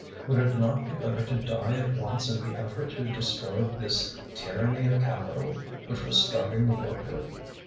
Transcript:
Would it not be better to die at once in the effort to destroy this tyranny of capital, which was starving the worker?